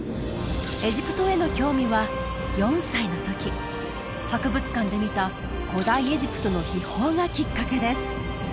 エジプトへの興味は４歳の時博物館で見た古代エジプトの秘宝がきっかけです